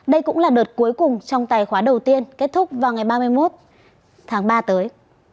đây cũng là đợt cuối cùng trong tài khóa đầu tiên kết thúc vào ngày ba mươi một tháng ba tới